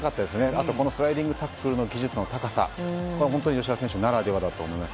あと、スライディングタックルの技術の高さは吉田選手ならではだと思います。